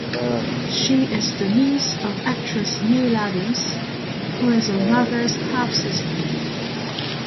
She is the niece of actress Neile Adams, who is her mother's half-sister.